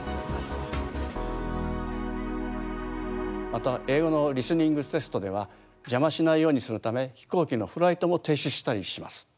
また英語のリスニングテストでは邪魔しないようにするため飛行機のフライトも停止したりします。